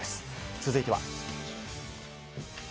続いては。